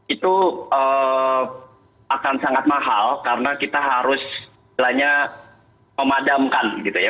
itu akan sangat mahal karena kita harus memadamkan gitu ya